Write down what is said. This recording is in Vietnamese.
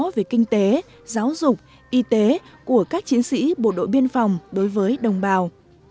về kinh tế giáo dục y tế của các chiến sĩ bộ đội biên phòng đối với đồng bào